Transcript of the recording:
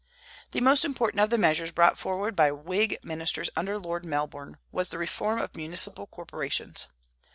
The most important of the measures brought forward by Whig ministers under Lord Melbourne was the reform of municipal corporations.